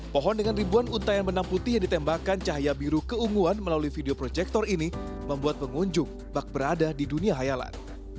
pohon dengan ribuan untayan benang putih yang ditembakkan cahaya biru keunguan melalui video proyektor ini membuat pengunjung bak berada di dunia hayalan